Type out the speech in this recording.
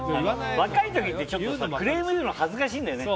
若い時ってちょっとクレーム言うの恥ずかしいんだよね。